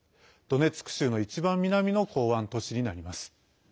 ドネツク州の一番南の港湾都市になります。